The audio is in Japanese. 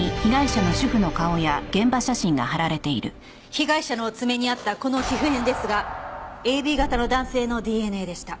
被害者の爪にあったこの皮膚片ですがＡＢ型の男性のＤＮＡでした。